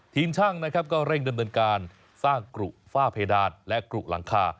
ทีมช่างนะครับก็เร่งดำเนินการสร้างกรุฝ้าเพดานและกรุหลังคา